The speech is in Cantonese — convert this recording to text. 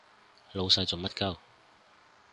老細做乜 𨳊